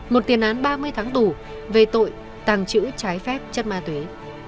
một tiền án ba mươi tháng tù về tội tàng trữ trái phép chất ma túy